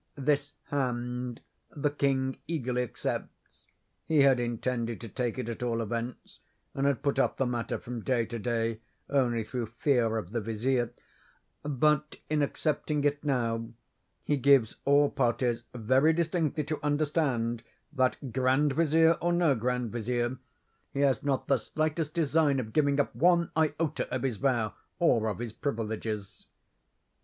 This hand the king eagerly accepts—(he had intended to take it at all events, and had put off the matter from day to day, only through fear of the vizier),—but, in accepting it now, he gives all parties very distinctly to understand, that, grand vizier or no grand vizier, he has not the slightest design of giving up one iota of his vow or of his privileges.